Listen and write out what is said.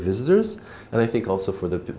một bánh mỳ ngọt